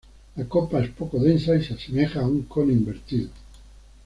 La copa es poco densa y se asemeja a un cono invertido.